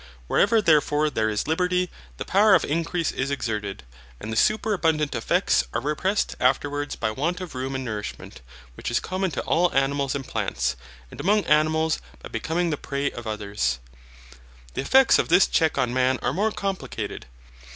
Wherever therefore there is liberty, the power of increase is exerted, and the superabundant effects are repressed afterwards by want of room and nourishment, which is common to animals and plants, and among animals by becoming the prey of others. The effects of this check on man are more complicated.